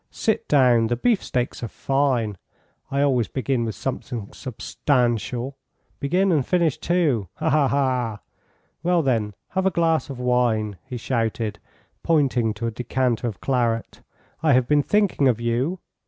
Sit down, the beefsteaks are fine! I always begin with something substantial begin and finish, too. Ha! ha! ha! Well, then, have a glass of wine," he shouted, pointing to a decanter of claret. "I have been thinking of you.